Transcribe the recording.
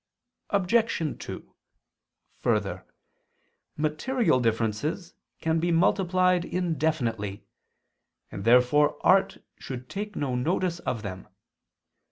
Obj. 2: Further, material differences can be multiplied indefinitely, and therefore art should take no notice of them.